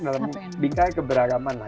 dalam bingkai keberagaman lah